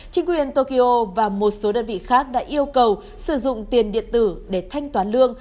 chính quyền tokyo và một số đơn vị khác đã yêu cầu sử dụng tiền điện tử để thanh toán lương